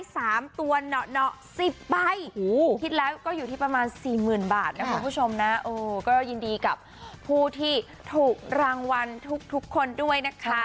สวัสดีกับผู้ที่ถูกรางวัลทุกคนด้วยนะคะ